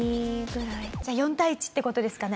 じゃあ４対１って事ですかね？